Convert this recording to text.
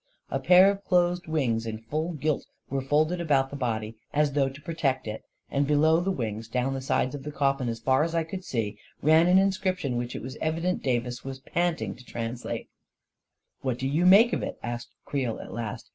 A pair of closed wings, in full gilt, were folded about the body as though to pro tect it, and below the wings, down the sides of the coffin as far as I could see, ran an inscription which it was evident Davis was panting to translate. 272 A KING IN BABYLON " What do you make of it? " asked Creel, at last.